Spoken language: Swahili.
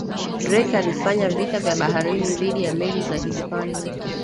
drake alifanya vita vya baharini dhidi ya meli za hispania